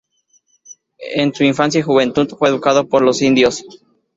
En su infancia y juventud fue educado por los indios.